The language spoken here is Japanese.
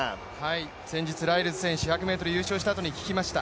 先日ライルズ選手、１００ｍ優勝したあとに聞きました。